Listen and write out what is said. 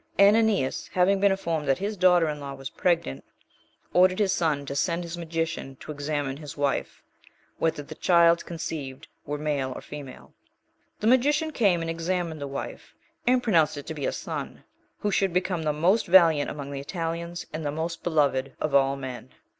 And Aeneas, having been informed that his daughter in law was pregnant, ordered his son to send his magician to examine his wife, whether the child conceived were male or female. The magician came and examined the wife and pronounced it to be a son, who should become the most valiant among the Italians, and the most beloved of all men.